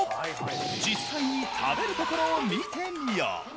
実際に食べるところを見てみよう。